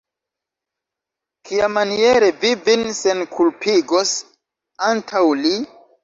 Kiamaniere vi vin senkulpigos antaŭ li?